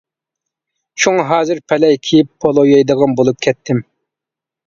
شۇڭا ھازىر پەلەي كىيىپ پولۇ يەيدىغان بولۇپ كەتتىم.